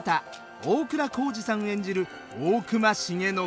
大倉孝二さん演じる大隈重信。